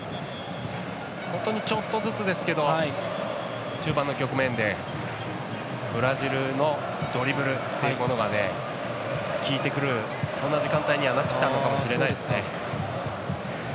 ちょっとずつ中盤の局面でブラジルのドリブルというものがきいてくる、そんな時間帯になってきたのかもしれないですね。